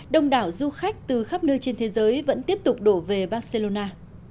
đông đảo du khách từ khắp nơi trên thế giới vẫn tiếp tục đổ về barcelona